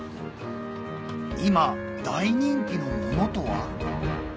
今大人気のものとは？